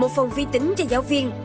một phòng vi tính cho giáo viên